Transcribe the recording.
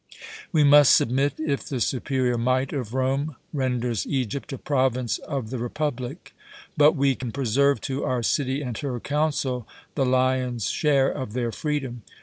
We must submit if the superior might of Rome renders Egypt a province of the republic, but we can preserve to our city and her council the lion's share of their freedom.